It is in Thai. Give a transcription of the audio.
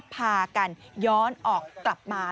พากันย้อนออกกลับมา